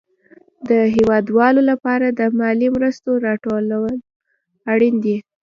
د هېوادوالو لپاره د مالي مرستو راټول اړين دي.